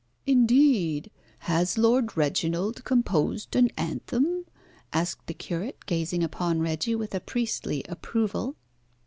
"Indeed, has Lord Reginald composed an anthem?" asked the curate, gazing upon Reggie with a priestly approval.